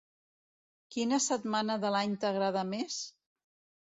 Quina setmana de l'any t'agrada més?